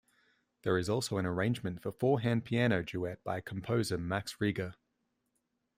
There is also an arrangement for four-hand piano duet by composer Max Reger.